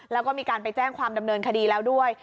แล้วก็มีการไปแจ้งความดำเนินคดีแล้วด้วย